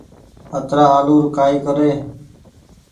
اترآ آلو ر ڪآئي ڪري ۔